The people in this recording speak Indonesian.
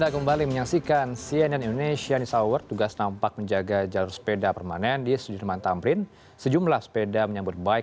jalur sepeda permanen